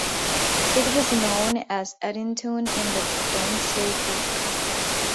It was known as Eddintune in the Domesday Book.